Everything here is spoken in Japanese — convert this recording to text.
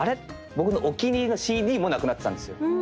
僕のお気に入りのＣＤもなくなってたんですよ。